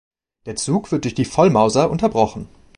Der Zug wird durch die Vollmauser unterbrochen.